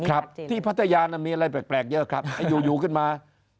ครับที่พัทยาน่ะมีอะไรแปลกเยอะครับอยู่อยู่ขึ้นมา